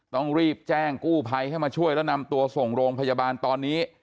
ต้องรีบแจ้งกู้ภัยให้มาช่วยแล้วนำตัวส่งโรงพยาบาลตอนนี้